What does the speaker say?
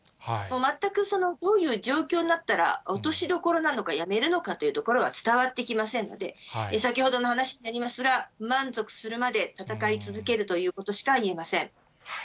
全くどういう状況になったら落としどころなのか、やめるのかというところは伝わってきませんので、先ほどの話になりますが、満足するまで戦い続けるということしか言えません。